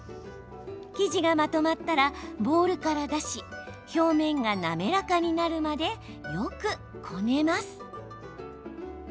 生地がまとまったらボウルから出し表面が滑らかになるまでよくこねます。